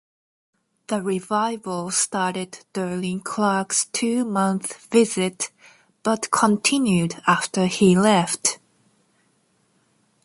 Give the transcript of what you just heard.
The revival started during Clark's two-month visit but continued after he left.